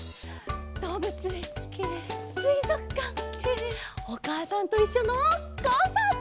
どうぶつえんすいぞくかん「おかあさんといっしょ」のコンサート！